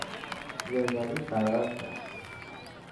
زندانی فرار کرد.